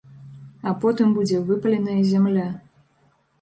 А потым будзе выпаленая зямля.